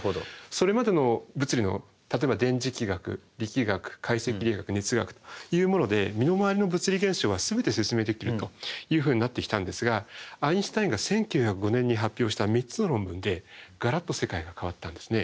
それまでの物理の例えば電磁気学力学解析力学熱学というもので身の回りの物理現象は全て説明できるというふうになってきたんですがアインシュタインが１９０５年に発表した３つの論文でガラッと世界が変わったんですね。